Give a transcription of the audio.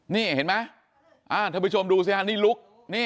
นี่เห็นไหมท่านผู้ชมดูสิฮะนี่ลุก